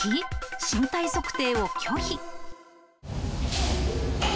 身体測定を拒否。